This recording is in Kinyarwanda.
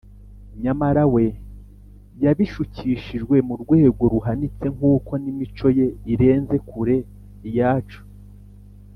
. Nyamara we yabishukishijwe mu rwego ruhanitse nk’uko n’imico ye irenze kure iyacu